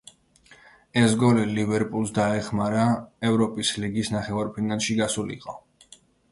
ეს გოლი ლივერპულს დაეხმარა ევროპის ლიგის ნახევარფინალში გასულიყო.